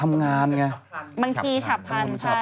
บางทีชับพัน